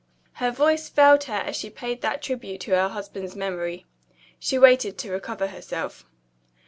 Her voice failed her as she paid that tribute to her husband's memory. She waited to recover herself.